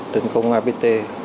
tấn công apt